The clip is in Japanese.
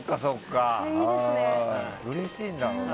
うれしいんだろうな。